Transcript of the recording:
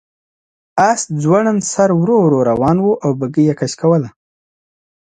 آس ځوړند سر ورو ورو روان و او بګۍ یې کش کوله.